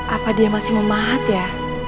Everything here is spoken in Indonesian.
apa dia masih memahat ya